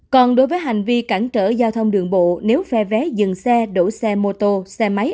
còn đối với hành vi cản trở giao thông đường bộ nếu phe vé dừng xe đổ xe mô tô xe máy